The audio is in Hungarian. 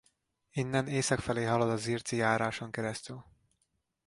Innen észak felé halad a Zirci járáson keresztül.